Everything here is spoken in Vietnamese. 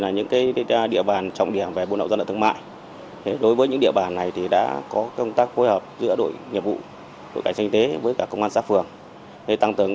những địa bàn trọng điểm về buôn lậu dân ở thương mại đối với những địa bàn này đã có công tác phối hợp giữa đội nhiệm vụ đội cảnh sanh tế với cả công an xã phường